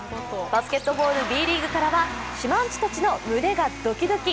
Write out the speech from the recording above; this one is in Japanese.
バスケットボールＢリーグからはしまんちゅたちの胸がドキドキ